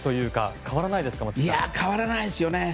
変わらないですよね。